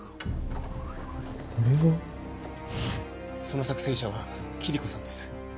その作成者はキリコさんです